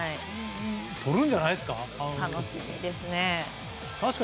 とるんじゃないんですか。